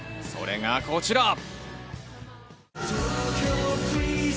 それがこちら。